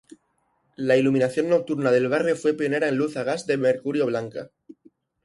La iluminación nocturna del barrio fue pionera en luz a gas de mercurio blanca.